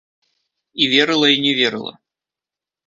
І верыла і не верыла.